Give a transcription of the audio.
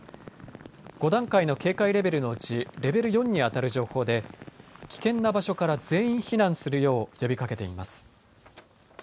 ５段階の警戒レベルのうちレベル４にあたる情報で危険な場所から全員避難するよう呼びかけています。